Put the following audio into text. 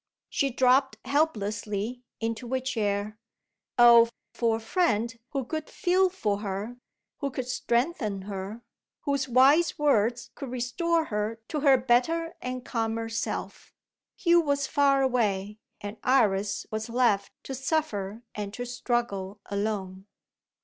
She dropped helplessly into a chair. Oh, for a friend who could feel for her, who could strengthen her, whose wise words could restore her to her better and calmer self! Hugh was far away; and Iris was left to suffer and to struggle alone.